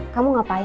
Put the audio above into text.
kamu ngapain tadi